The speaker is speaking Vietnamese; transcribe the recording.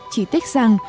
chỉ thích rằng